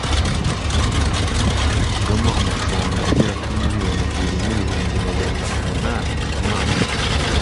iyi myaka nayikoreragamo amfaranga agera kuri miliyoni ebyiri n’ibihumbi magana umunani ku mwaka